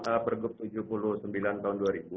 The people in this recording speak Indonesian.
kita sudah bergebu tujuh puluh sembilan tahun dua ribu